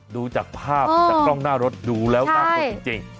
ดูจากภาพจากกล้องหน้ารถดูแล้วน่ากลัวจริง